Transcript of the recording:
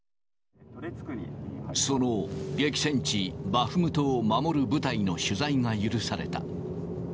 その激戦地、バフムトを守る部隊の取材が許された。